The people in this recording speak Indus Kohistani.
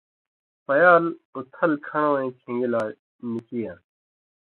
پیال اُتھل کھن٘ڑوَیں کھِن٘گی لا نکی یان٘س،